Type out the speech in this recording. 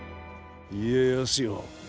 家康よ。